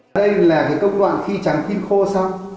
đây là cái công đoạn khi trắng pin khô xong